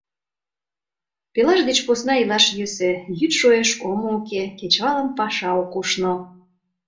Пелаш деч посна илаш йӧсӧ: йӱд шуэш, омо уке, кечывалым паша ок ушно!